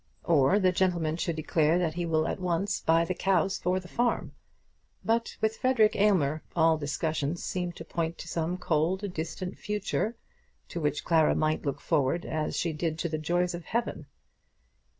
Or the gentleman should declare that he will at once buy the cows for the farm. But with Frederic Aylmer all discussions seemed to point to some cold, distant future, to which Clara might look forward as she did to the joys of heaven.